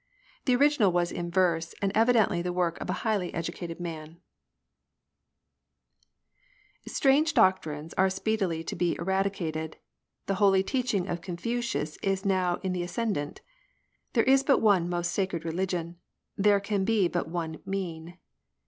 The original was in verse, and evidently the work of a highly educated man :— Strange doctrines are speedily to be eradicated : The holy teaching of Confucius is now in the ascendant. There is but one most sacred religion : There can be but one Mean.